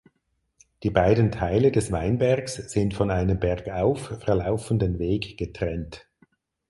Die beiden Teile des Weinbergs sind von einem bergauf verlaufenden Weg getrennt.